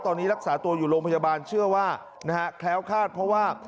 ตอนนี้รักษาตัวอยู่โรงพยาบาลเชื่อว่านะฮะแคล้วคาดเพราะว่า